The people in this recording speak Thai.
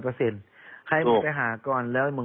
เพราะว่าตอนแรกมีการพูดถึงนิติกรคือฝ่ายกฎหมาย